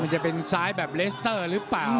มันเป็นไซค์แบบเลสเตอร์รึเปล่า